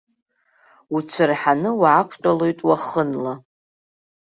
Уцәырҳаны уаақәтәалоит уахынла.